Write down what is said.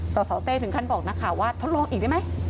สสเต้ถึงขั้นบอกนักข่าวว่าทดลองอีกได้ไหม